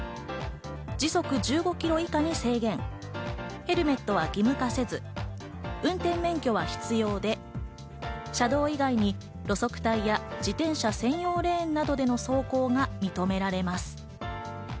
時速１５キロ以下に制限、ヘルメットは義務化せず運転免許は必要で、車道以外に路側帯や自転車専用レーンなどでも走行が認められます。